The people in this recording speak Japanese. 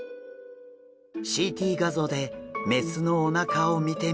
ＣＴ画像で雌のお腹を見てみると。